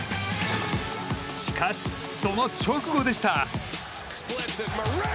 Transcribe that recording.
しかし、その直後でした。